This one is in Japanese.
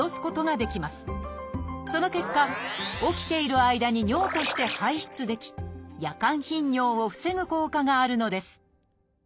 その結果起きている間に尿として排出でき夜間頻尿を防ぐ効果があるのです。